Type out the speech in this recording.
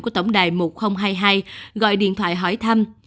của tổng đài một nghìn hai mươi hai gọi điện thoại hỏi thăm